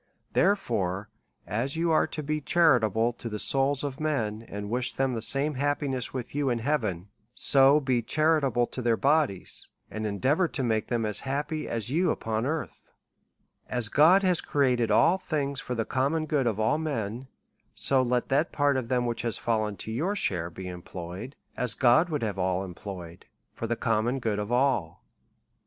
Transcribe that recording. Therefore, as you are to be charitable to the souls of men, and wish them the same happiness with you in heaven, so be charitable to their bodies, and en deavour to make them as happy as you upon earth. DftVOLT AND HOLY LIFE. 243 As God has created all things for the common good of all men, so let that part of them, which is fallen to your share, be employed, as God would have all era ployed, for the common good of all.